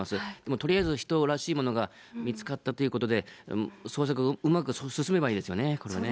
とりあえず人らしいものが見つかったということで、捜索、うまく進めばいいですよね、今後ね。